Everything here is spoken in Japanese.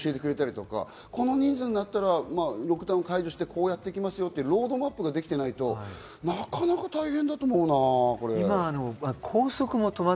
出口自体も期間じゃなくて、人数でも教えてくれたりとか、このニーズになったらロックダウン解除してこうやっていきますよというロードマップができていないと、なかなか大変だと思うな。